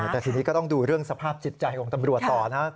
แต่ทีนี้ก็ต้องดูเรื่องสภาพจิตใจของตำรวจต่อนะ